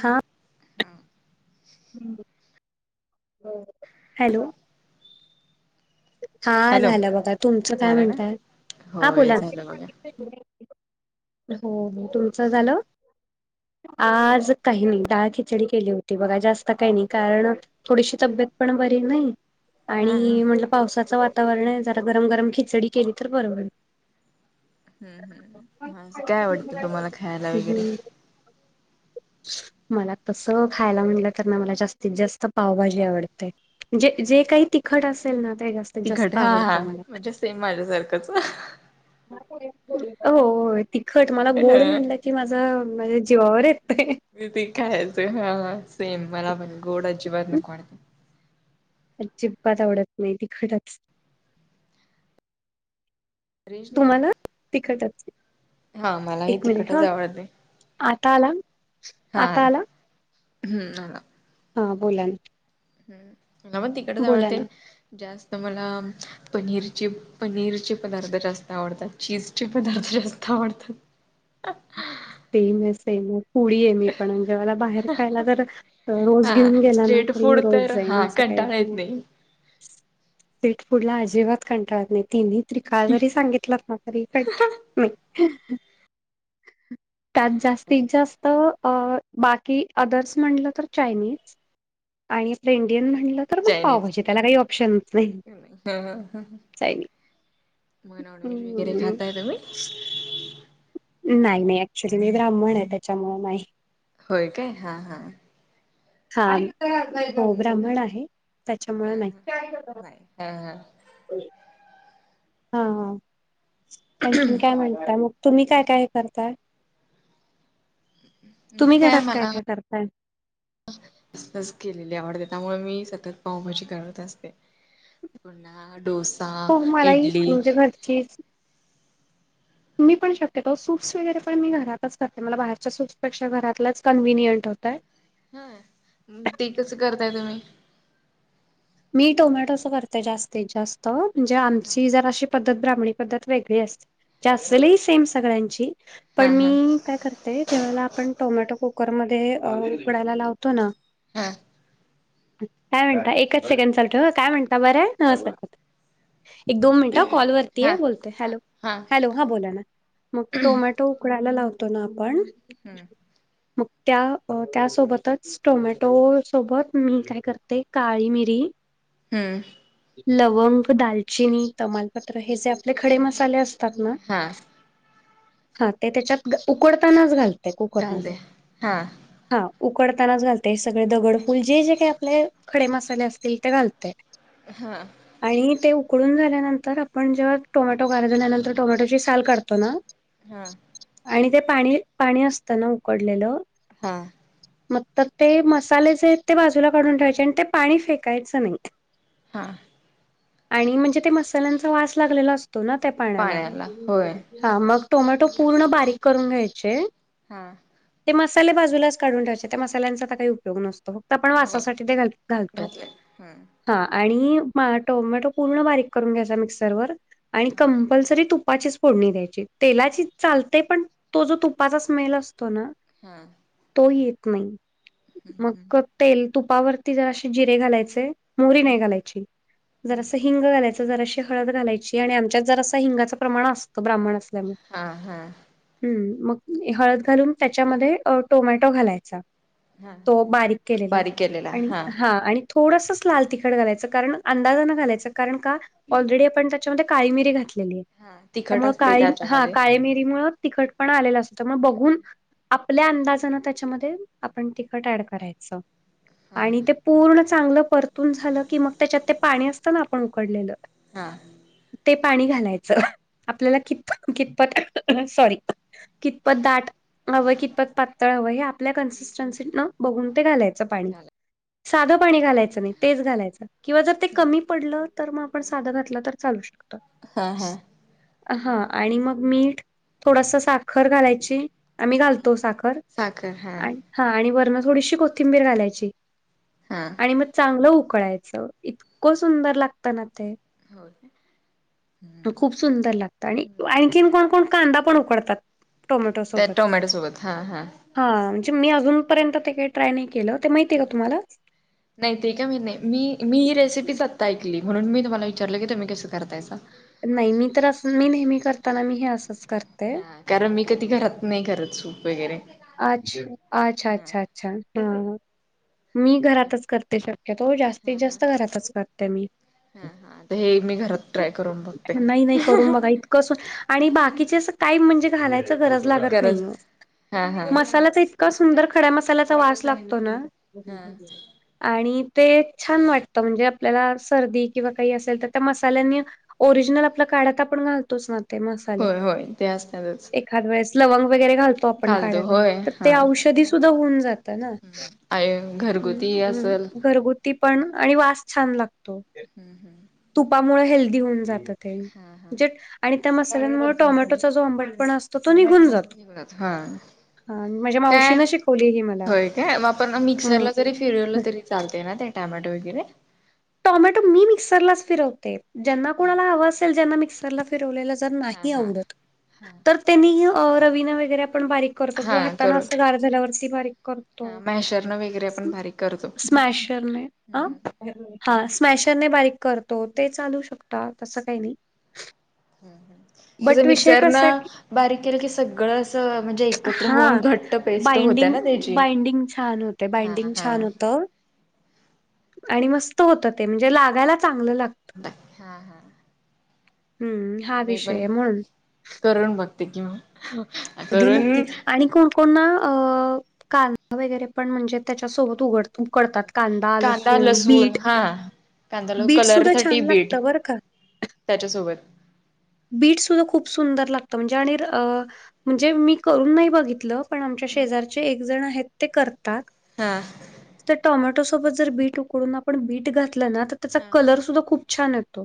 हा हा हॅलो हा हॅलो झालं बघा.. तुमचं काय झालं ना म्हणताय? हा होय बोला.. झालं बघा हो हो तुमचं झालं? आज काही नाही.. डाळ खिचडी केली होती बघा.. जास्त काही नाही कारण थोडीशी तब्येत पण बरी नाही, हा हा आणि म्हटल पावसाचं वातावरण आहे जरा गरम गरम खिचडी केली तर बर होईल हम् हम् म.. अस काय आवडतं तुम्हाला खायला वगैरे? हम्म. मला तस खायला म्हणलं तर ना मला जास्तीत जास्त पावभाजी आवडते. जे जे काही तिखट असेल ना ते जास्त तिखट हा हा आवडतं मला म्हणजे सेम माझ्यासारखंच. होय तिखट मला गोड म्हणलं की ह की माझं माझ्या जीवावर येतय. [unintelligible] ह ह सेम मला पण गोड आजिबात नको वाटत. अजिबात आवडत नाही, तिखटच रेंज नाही तुम्हाला तीखट अस- हा मलाही एक मिनिट तिखटच हा, आवडते आता आला.. आता आला? हम्म.. आला.. हा बोला ना. हम् मला पण तिखटच बोला आवडते ना जास्त मला पनीरचे पनीरचे पदार्थ जास्त आवडतात चीजचे पदार्थ जास्त आवडतात. तेपण सेम च फूडी आहे मी पण म्हणजे मला बाहेर खायला तर तो रोज हा घेऊन गेला ना स्ट्रेट तरी फूड मी रोज तर जाईन हा असं काही कंटाळा येत नाही स्ट्रीट फूड ला अजिबात कंटाळत नाही तिन्ही [unintelligible] जरी सांगितलं ना तरीकंटाळत नाही त्यात जास्तीत जास्त अ अ बाकी अदर्स म्हणलं तर चायनीज आणि अस इंडियन म्हणटल तर तर मग चायनीज पावभाजी त्याला काही ऑप्शनच ह ह नाही मग नॉनव्हेज वगैर हम्म खाताय तुम्ही? नाही नाही.. ऍक्च्युली मी ब्राह्मण आहे त्याच्यामुळ नाही. होय काय? हा हा. हा हो ब्राह्मण आहे त्याच्यामुळ हा हा नाही. नाही हा हा.. हा हा.. आणखीन काय म्हणताय मग? तुम्ही काय काय करताय? तुम्ही मी काय घरात मनाला करताय? [unintelligible] केलेली आवडते त्यामुळे मी सतत पावभाजी करत असते. पुन्हा डोसे हो मलाही म्हणजे घरचीच मी पण शक्यतो सूप्स वगैरे पण मी घरातच करतेे मला बाहेरच्या सूप्सपेक्षा घरातलाच कन्व्हिनियंट होतय. हा ते कस करताय तुम्ही? मी टोमॅटोच करते जास्तीत जास्त म्हणजे आमची जराशी पद्धत ब्राम्हणी पद्धत वेगळी असते जे हा असेल ही सेम सगळ्यांची हा पण हा मी काय करते ते ज्यावेळेला आपण टोमॅटो कुकर मध्ये अ उकडायला लावतो ना हा काय म्हणता एकच सेकंड चालू ठेव काय म्हणता बरं आहे नमस्कार. एक दोन मिनिट कॉलवर हा तीये बोलतोय हॅलो हा हॅलो हा बोला ना मग टोमॅटो उकडायला लावतो ना आपण हम्म मग त्या अ त्यासोबतच टोमॅटो सोबत मी काय करते काळी मिरी हम्म. लवंग, दालचिनी, तमालपत्र हे जे आपले खडे मसाले असतात ना हा हा. ते त्याच्यात उकडतानाच घालते घाल दे कुकरमध्ये. हा हा. उकडतानाच घालते सगळे दगडफूल जे जे काय आपले खडे मसाले असतील ते घालतेय. हां. आणि ते उकडून झाल्यानंतर आपण जेव्हा टोमॅटो गार झाल्यानंतर टोमॅटोची साल काढतो ना हां. आणि ते पाणी पाणी असतना उकडलेलं. हा. मग तर ते मसाले जे आहेत ते बाजूला काढून ठेवायचे आणि ते पाणी फेकायचं नाही. हां. आणि म्हणजे ते मसाल्यांचा वास लागलेला असतो ना त्या पाण्याला. हा मग टोमॅटो पूर्ण बारीक करून घ्यायचे. हां. ते मसाले बाजूलाच काढून ठेवायचे त्या मसाल्यांचा आता काही उपयोग नसतो फक्त आपण हो वासासाठी ते घाल-घालतो. घातलंय हम्म हा आणि मा टोमॅटो पूर्ण बारीक करून घ्यायचा मिक्सरवर आणि हा कंपल्सरी तु तुपाचीच फोडणी द्यायची तेलाची चालतेय पण तो जो तुपाचा स्मेल असतो ना हां. तो येत नाही. मग तेल तुपावरती जराशे जिरे घालायचे. मोहरी नाही घालायची हम्म जरासी. हिंग घालायचं जराशी हळद घालायची आणि आमच्यात जरास हिंगाचं प्रमाण असतं ब्राह्मण असल्यामुळे. हा हा. हम्म मग हळद घालून त्याच्यामध्ये अ टोमॅटो घालायचा. हा तो बारीक केलेला आणि हा आणि थोडासाच. लाल तिखट घालायचं कारण अंदाजान घालायचं कारण का ऑलरेडी आपण त्याच्यामध्ये काळी मिरी घातलेली आहे. तिखट त्यामुळ असतंय काळी हा त्याच्यामध्ये काळी मिरी मुळ तिखट. पण आलेलं असत मग बघून आपल्या अंदाजानं त्याच्यामध्ये आपण तीखट ऍड करायचं. हा आणि ते पूर्ण चांगलं परत. तून झालं की मग त्याच्यात ते पाणी असतं ना आपण उकडलेलं हां. ते पाणी घालायचं. आपल्याला कित कितपत सॉरी. कितपत दाट हवंय कितपत पातळ हवं हे आपल्या कन्सिस्टन्सी न बघून ते घालाय. च पाणी. साध पाणी घालायचं नाही तेच घालायच किंवा जर ते कमी पडल तर मग आपण साध घातल तर चालू शकत. हा हा हा आणि मग मीठ थोडस साखर घालायची आम्ही घालतो साखर. साखर हां. आणि हा आणि वरण थोडीशी कोथिंबीर घालायची. हा. आणि मग चांगलं उकळायचं इतकं सुंदर लागतं ना ते. हो तू खूप सुंदर लागत आणि आणखीन कोण कोण? कांदा पण उकडतात टोमॅटो त्या सोबत. टोमॅटो सोबत हा हा हां. म्हणजे मी अजूनपर्यंत ते काही ट्राय नाही केलं ते माहिती आहे का तुम्हाला? नाही ते का मी नाही मी मी ही रेसिपीच आत्ता ऐकली म्हणून मी तुम्हाला विचारलं की तुम्ही कसं करतायसा. नाही मी तर असं मी नेहमी करताना मी हे असंच करते. कारण मी कधी घरात नाही करत सूप वगैरे. अच्छा अच्छा हा अच्छा अच्छा हा मी घरातच करते शक्यतो, जास्तीत जास्त घरातच करते मी. हा हा हे एक मी घरात ट्राय करून बघते. कसून आणि बाकीचे असं काही म्हणजे घालायचं गरज लागत गरज नाही. हा हा मसाल्याचा इतका सुंदर खड्या मसाल्याचा वास लागतो ना. हा आणि ते छान वाटतं म्हणजे आपल्याला सर्दी किंवा काही असेल तर त्या मसाल्यांनी ओरिजिनल आपल्या काढ्यात आता आपण घालतोच ना. ते मसाले होय होय ते असतातच एखाद वेळेस लवंग वगैरे घालतो. आपण घालतो काढ्यात होय तर ते हा औषधी सुधा होऊन जात ना. आय घरगुती हम्म असल हम्म घरगुती पण आणि वास छान लागतो. तुपामुळे हेल्दी होऊन जात ते हा हा म्हणजे- आणि त्या मसाल्यांमुळे टोमॅटोचा जो आंबटपणा असतो तो निघून जातो. एकचं हा. हा माझ्या काय मावशीनं शिकवली ही मला होय काय म आपण हम्म मिक्सरला जरी फिरवलं तरी. चालते ना ते टॅमॅटो वगैरे. टॉमॅटो मी मिक्सरलाच फिरवते, ज्यांना हा कोणाला हवा असेल जना मिक्सर- मिक्सरला फिरवलेले जर हा नाही हा आवडत, हा तर ते मी रवीने वगैरे पण बारीक- करतो किंवा हा हाताने करू असं गार झाल्यावरचं बारीक करतो. हा मॅशरनं वगैरे आपण बारीक करतो स्मॅश करने आ- हा स्मॅशरने बारीक करतो, ते चालू शकता तसं काही नाही. तसं बट विषय मिक्सरन कसा की बारीक केलं, की सगळं असं म्हणजे- एकत्र हा होऊन घट्ट पेस्ट होत्या बाइंडिंग ना त्याची बाइंडिंग छान होते, हा बाइंडिंग छान हा होतं. आणि मस्त होत ते म्हणजे लागायला चांगलं लागत. हा हा हम्म हा ते मी पण विषय म्हणून- करून बघते की ओ- हो. कधी नक्की आणि कोण कोणा कांदा वगैरे पण म्हणजे त्याच्या सोबत उघड उकडतात. कांदा, लसूण, बीट. कांदा कलर बीटसुद्धा साठी छान बीट लागतं बरं का. त्याच्यासोबत बीटसुद्धा खूप सुंदर लागतं म्हणजे आणि अ म्हणजे मी करून नाही बघितलं, पण आमच्या शेजारचे एक जण आहेत ते करतात. हां. त्या टोमॅटो सोबत जर बीट उकळून आपण बीट घातलं ना, तर त्याचा हा कलर सुद्धा खूप- छान येतो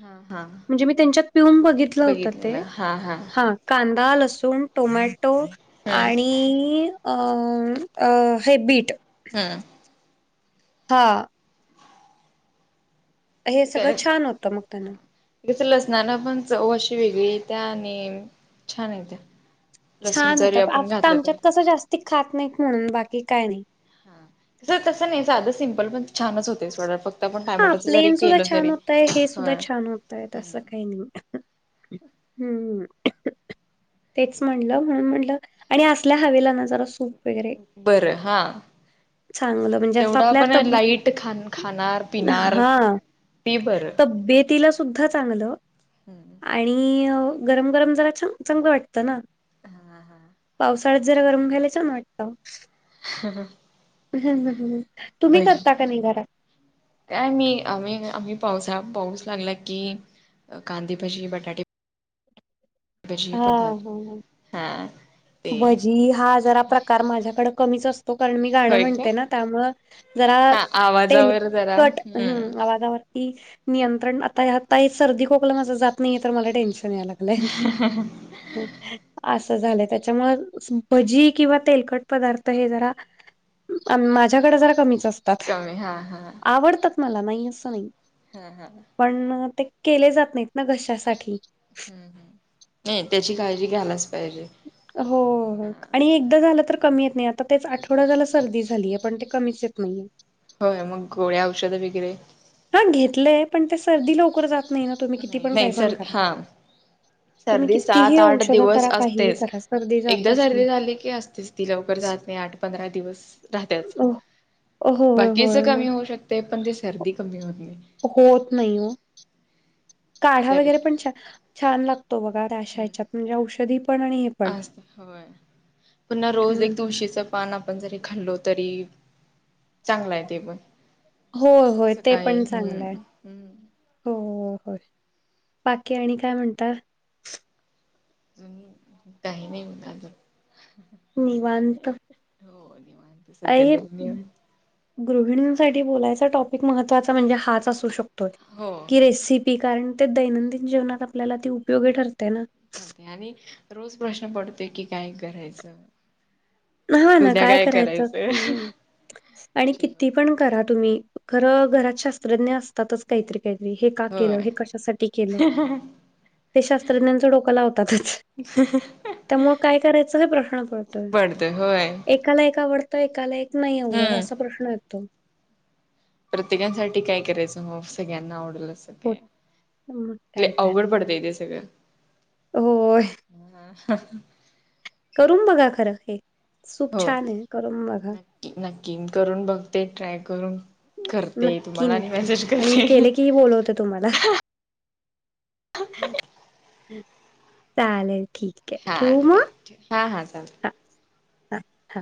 हा हा म्हणजे मी त्यांच्यात पिऊन बघितला होता ते बघितलेला हा हा. कांदा, लसूण, टोमॅटो हम्म आणि आम् अ हे बीट- हम्म हा. हे सगळं छान होतं मग त्यांन तसं लसणानं पण चव अशी वेगळी येत्या आणि छान येत्या. लसूण छान होत, जरी आपण अप्या घातलं तरी आमच्यात तसं जास्त खात नाही म्हणून बाकी काय नाही. तसं नाही साधं सिम्पल पण छानच होत. तेच, फक्त आपण हा टायमाटाच जरी प्लेन सुद्धा केलं छान तरी, होतंय हे सुद्धा व्हय. छान होतंय तसं काही नी, हम्. तेच म्हटलं म्हणून म्हटलं आणि असल्या हवेला ना जरा सूप. वगैरे बरं हा चांगलं म्हणजे असं जेवढा आपल्या पण तब लाईट ख खाणार. पिणार हा ते बरं. तर बे तिलास सुद्धा चांगलं हम्म. आणि गरम गरम जरा च चांगल वाटतं ना. [inaudible] पावसाळ्यात जरा गरम घ्यायल छान वाटतं. हम् ह ह, तुम्ही करता का नाही घरा? काय मी आम्ही, आम्ही पावसा पाऊस लागला की कांदी भजी, बटाटे भजी हा पदार्थ ह, हा ते ‌भजी हा जरा प्रकार माझ्याकडे कमीच अस तो कारण मी गाणं होय काय म्हणते ना त्यामुळ जरा हा आवाजावर जरा तेलकट हम्म आवगाव की नियंत्रण आता, आता ही सर्दी खोकलं माझ जात नाहीय तर मला टेन्शन याय लागलंय. [unintelligible] असं झालं त्याच्यामुळ भजी किंवा तेलकट पदार्थ हे जरा अन् माझ्याकडे जरा कमीच असतात. कमी हा हा. आवडतात मला नाही असं नाही. हा हा. पण ते केले जात नाहीत ना घशासाठी. [inaudible] नई त्याची काळजी घ्यायलाच पाहिजे. हो हा आणि एकदा झालं तर कमी येत नाही आता त्याच आठवडा झाला सर्दी झाली आहे पण ते कमीच येत नाहीे. होय मग गोळ्या औषधे वगैरे. पण घेतलंय पण ते सर्दी लवकर जात नाही ना तुम्ही किती पण नाही काही पण सर्दी करा. हा. तुम्ही सर्दी कितीही सात-आठ औषधं दिवस करा काहीही असतेच करा सर्दी एकदा जातच नाही. सर्दी झाली की असतेच. ती लवकर जात नाही आठ-पंधरा दिवस राहतेच अ होय बाकीच होय कमी मग होऊ शकत ते पण ती सर्दी कमी होत नाही. होत नाही ओ. काढा सर वगैरे पण छ छान लागतो बघा त्याश याच्यात म्हणजे औषधी पण आणि पण असज होय, पुन्हा रोज हम्म. एक तुळशीचं पान आपण जरी खाल्लो तरी [inaudible] चांगला आहे ते पण. हो होय ते सकाळी पण चांगलंय. हम्म हम्म हो हो, बाकी आणि काय म्हणताय? काही नाही बघा. निवांत [inaudible] सध्या आहे. तरी निवांत गृहिणींसाठी बोलायचा टॉपिक महत्त्वाचा म्हणजे हाच असू शकतो. हो. की रेसिपी कारण ते दैनंदिन जीवनात आपल्याला ती उपयोगी ठरते ना. आणि रोज प्रश्न पडतं, की काय करायचं? हा ना... काय करायचं, आणि जेवण किती पण करा तुम्ही... खरं, घरात शास्त्रज्ञ असतातच काहीतरी. त्यांनी हे का केलं, होय हे कशासाठी केलं? ते शास्त्रज्ञांचं डोकं लावतातच. त्यामुळे काय करायचं हे प्रश्न पडतोय? ते व्हय. एकाला एक आवडतं... एकाला एक नाही आवडत, हम्म असा प्रश्न येतो. प्रत्येकांसाठी काय करायचं, हो सगळ्यांना आवडल असं हो काय... मग काय लई तर अवघड पड- वेगळं सगळं. होय. करून बघा, खरं हे... सूप हो छान ए... करून बघा. नक्की नक्की, मी करून बघते, ट्राय करून. करते नक्की तुम्हाला आणि नक्की... मेसेज आणि मी करते केले की ही, बोलवते तुम्हाला. चालेल ठीक ए. हा ठिक ये... ठेवा, हां हां चालतंय. हा हा हा